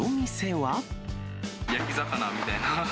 焼き魚みたいな。